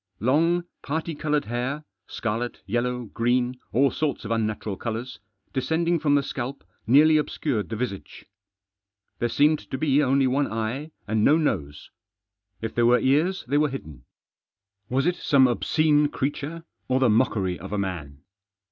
Long parti coloured hair — scarlet, yellow, green, all sorts of unnatural colours — descending from the scalp nearly obscured the visage. There seemed to be only one eye and no nose. If there were ears they were hidden. Was it some obscene creature or the mockery of a man